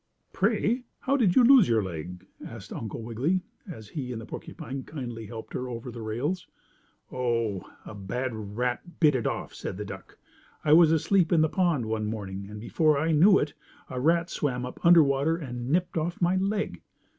"Pray, how did you lose your leg?" asked Uncle Wiggily, as he and the porcupine kindly helped her over the rails. "Oh, a bad rat bit it off," said the duck. "I was asleep in the pond one morning and before I knew it a rat swam up under water, and nipped off my leg."